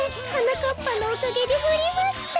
かっぱのおかげでふりました！